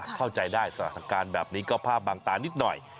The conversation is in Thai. เข้าใจได้สถานการณ์แบบนี้ก็ภาพบางตานิดหน่อย